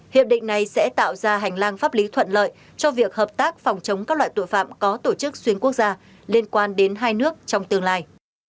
hiệp định này sẽ tạo ra hành lang pháp lý thuận lợi cho việc hợp tác phòng chống các loại tội phạm có tổ chức xuyên quốc gia liên quan đến hai nước trong tương lai